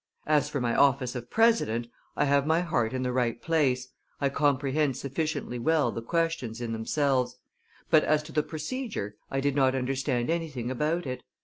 As for my office of president, I have my heart in the right place, I comprehend sufficiently well the questions in themselves; but as to the procedure I did not understand anything about it.